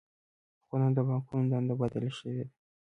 خو نن د بانکونو دنده بدله شوې ده